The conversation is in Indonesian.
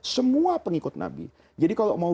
semua pengikut nabi jadi kalau mau